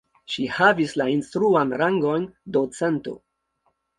Ŝi havis la instruan rangon docento.